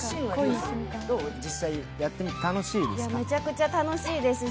どう、実際やってて楽しいですか？